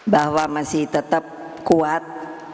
bahwa masih tetap kuat